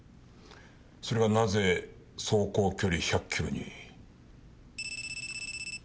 それがなぜ走行距離１００キロに。